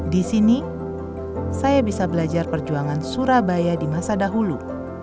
di sini saya bisa belajar perjuangan surabaya di masa dahulu